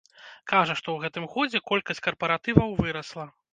Кажа, што ў гэтым годзе колькасць карпаратываў вырасла.